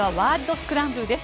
スクランブルです。